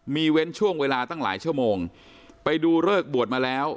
มีเว้นช่วงเวลาตั้งหลายชั่วโมงไปดูเลิกบวชมาแล้ว